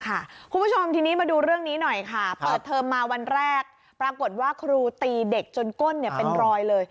คุณผู้ชมทีนี้มาดูเรื่องนี้หน่อยค่ะเปิดเทอมมาวันแรกปรากฏว่าครูตีเด็กจนก้นเป็นรอยเลย